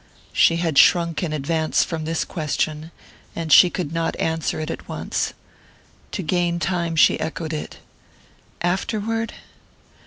She had shrunk in advance from this question, and she could not answer it at once. To gain time she echoed it. "Afterward?"